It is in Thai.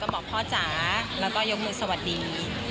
บอกพ่อจ๋าบอกยกมือสวัสดี